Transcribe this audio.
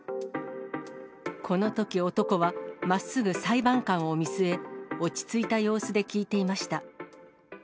このとき、男はまっすぐ裁判官を見据え、落ち着いた様子で聞いていました。